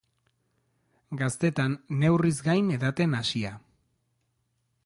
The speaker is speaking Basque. Gaztetan neurriz gain edaten hasia.